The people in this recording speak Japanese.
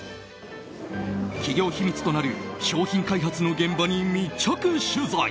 企業秘密となる商品開発の現場に密着取材。